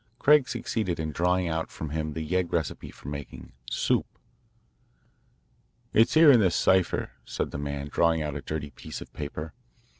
Craig succeeded in drawing out from him the yegg recipe for making "soup." "It's here in this cipher," said the man, drawing out a dirty piece of paper.